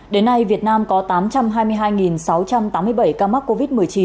đến nay việt nam có tám trăm hai mươi hai sáu trăm tám mươi bảy ca mắc covid một mươi chín